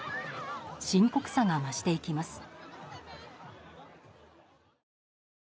深刻さが増していきます。